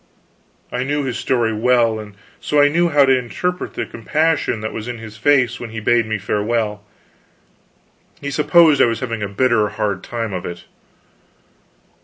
I knew his story well, and so I knew how to interpret the compassion that was in his face when he bade me farewell. He supposed I was having a bitter hard time of it.